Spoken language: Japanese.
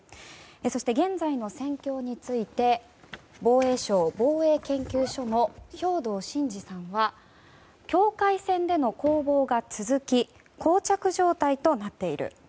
そして現在の戦況について防衛省防衛研究所の兵頭慎治さんは境界線での攻防が続き膠着状態となっている。